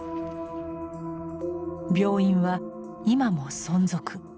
病院は今も存続。